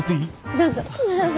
どうぞ。